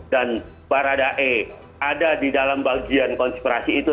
dan barada e ada di dalam bagian konspirasi itu